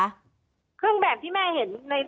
ตอนที่จะไปอยู่โรงเรียนจบมไหนคะ